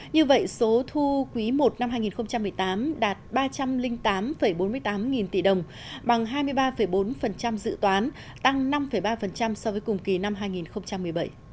như vậy số thu quý i năm hai nghìn một mươi tám đạt ba trăm linh tám bốn mươi tám nghìn tỷ đồng bằng hai mươi ba bốn dự toán tăng năm ba so với cùng kỳ năm hai nghìn một mươi bảy